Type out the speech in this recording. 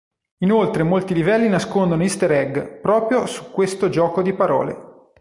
Inoltre molti livelli nascondono easter egg proprio su questo gioco di parole.